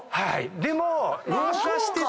でも。